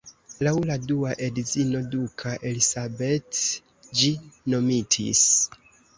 Laŭ la dua edzino duka Elisabeth ĝi nomitis.